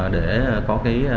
để có cái